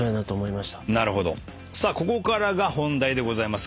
ここからが本題でございます。